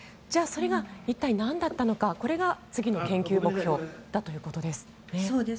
じゃあそれが一体なんだったのかこれが次の研究目標だということです。